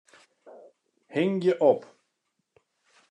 Hingje op.